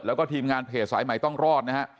แล้วก็ทีมงานเพจสายใหม่ต้องรอดนะฮะ